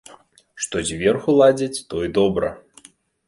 Што зверху ладзяць, то і добра.